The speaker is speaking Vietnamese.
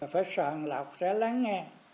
phải sợ lọt ra lá ngang